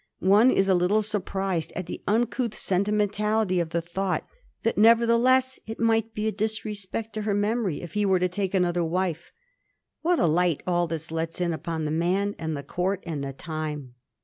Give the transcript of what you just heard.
One is a little surprised at the uncouth sentimentality of the thought that never theless it might be a disrespect to her memory if he were to take another wife. What a light all this lets in upon the man, and the Court, and the time